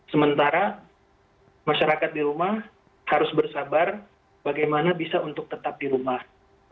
sementara masyarakat di rumah harus bersabar bagaimana bisa untuk tetap di rumah